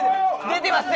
出てます